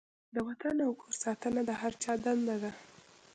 د وطن او کور ساتنه د هر چا دنده ده.